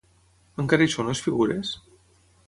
Encara hi són les figures?